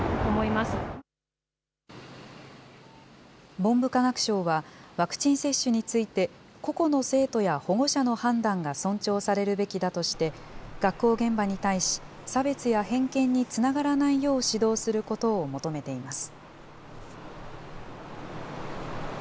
文部科学省はワクチン接種について、個々の生徒や保護者の判断が尊重されるべきだとして、学校現場に対し、差別や偏見につながらないよう指導することを求めています。